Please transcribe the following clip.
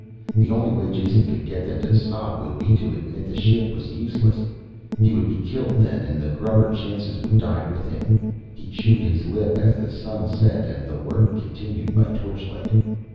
The only way Jason could get them to stop would be to admit the ship was useless. He would be killed then and the grubber chances would die with him. He chewed his lip as the sun set and the work continued by torchlight.